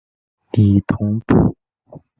李同度。